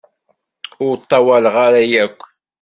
Ur ṭṭawaleɣ ara yakk.